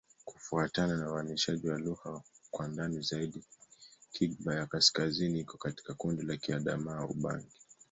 Kufuatana na uainishaji wa lugha kwa ndani zaidi, Kigbaya-Kaskazini iko katika kundi la Kiadamawa-Ubangi.